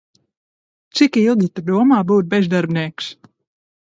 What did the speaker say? Cik ilgi Tu domā būt bezdarbnieks?